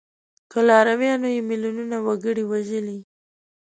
که لارویانو یې میلیونونه وګړي وژلي.